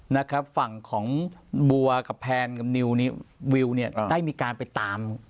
นะครับฝั่งของบู๊ากับแพนกับนิววิวได้มีการไปตาม